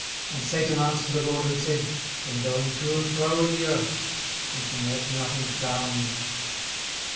And Satan answered the LORD, and said, From going to and fro in the earth, and from walking up and down in it.